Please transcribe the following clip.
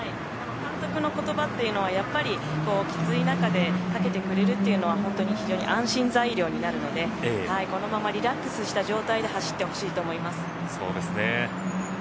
監督の言葉っていうのはやっぱりきつい中でかけてくれるというのは本当に非常に安心材料になるのでこのままリラックスした状態で走ってほしいなと思います。